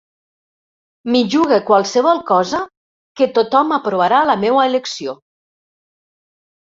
M'hi jugue qualsevol cosa que tothom aprovarà la meua elecció.